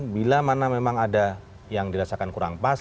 bila mana memang ada yang dirasakan kurang pas